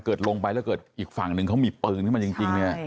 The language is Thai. เกิดลงไปแล้วเกิดอีกฝั่งนึงเขามีปืนขึ้นมาจริง